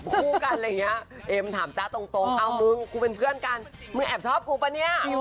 คู่กันอะไรอย่างนี้เอมถาม๓๒๐เอ้ามึงกูเป็นเพื่อนกัน